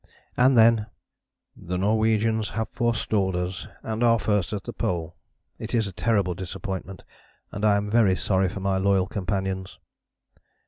And then: "The Norwegians have forestalled us and are first at the Pole. It is a terrible disappointment, and I am very sorry for my loyal companions.